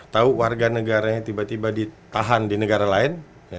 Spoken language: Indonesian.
tahu warga negaranya tiba tiba ditahan di negara lain